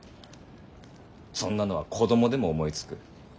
そんなのは子供でも思いつく。